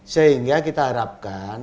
sehingga kita harapkan